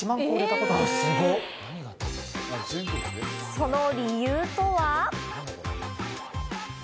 その理由とは？